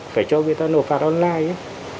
phải cho người ta nộp phạt online